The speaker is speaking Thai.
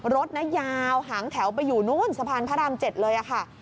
รถนะยาวหางแถวไปอยู่นู้นสะพานพระราม๗เลยค่ะ